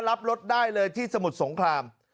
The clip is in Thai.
รับรถได้เลยที่สมุทรสงคราม